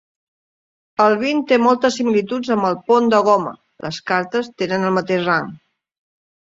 El vint té moltes similituds amb el pont de goma: les cartes tenen el mateix rang.